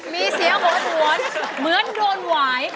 มีเสียงโหนเหมือนโดนหวาย